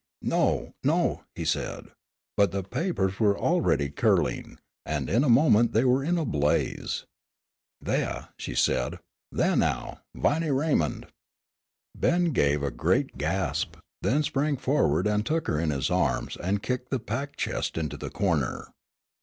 "No, no!" he said. But the papers were already curling, and in a moment they were in a blaze. "Thaih," she said, "thaih, now, Viney Raymond!" Ben gave a great gasp, then sprang forward and took her in his arms and kicked the packed chest into the corner.